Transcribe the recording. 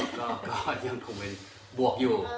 ก็ยังคงเป็นบวกอยู่